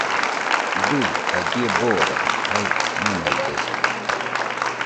Dui jadie boraji jae monaidesa